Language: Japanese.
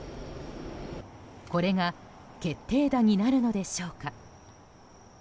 これが決定打になるのでしょうか。